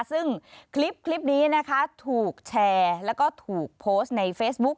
ซึ่งคลิปนี้นะคะถูกแชร์แล้วก็ถูกโพสต์ในเฟซบุ๊ค